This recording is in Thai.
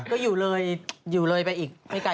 ก็อยู่เลยไปอีกไม่ไกลกว่า